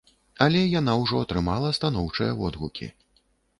Але яна ўжо атрымала станоўчыя водгукі.